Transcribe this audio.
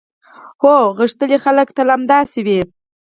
هو، غښتلي خلک تل همداسې وي.